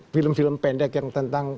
film film pendek yang tentang